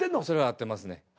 それは合ってますね。